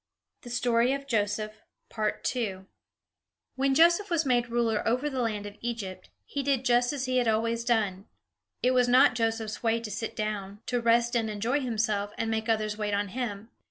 THE STORY OF THE MONEY IN THE SACKS When Joseph was made ruler over the land of Egypt, he did just as he had always done. It was not Joseph's way to sit down, to rest and enjoy himself, and make others wait on him.